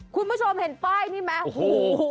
คุณผู้ชมเห็นป้ายนี่ไหมโอ้โห